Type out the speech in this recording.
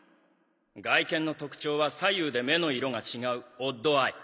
外見の特徴は左右で目の色が違うオッドアイ。